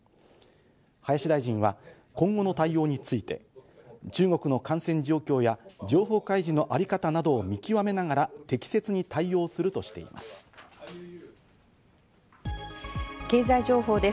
林大臣は今後の対応について、中国の感染状況や情報開示のあり方などを見極めながら、適切に対経済情報です。